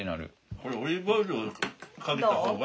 これオリーブオイルかけた方が。